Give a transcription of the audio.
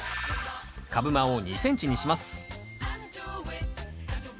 株間を２ｃｍにします